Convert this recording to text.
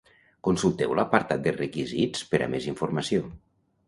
Consulteu l'apartat de requisits per a més informació.